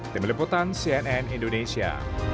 tim liputan cnn indonesia